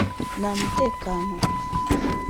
nta mutekano